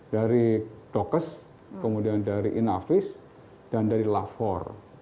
dari dokes kemudian dari inavis dan dari lafor